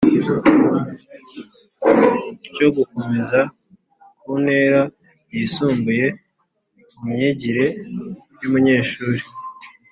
cyo gukomeza ku ntera yisumbuye mu myigire y’umunyeshuri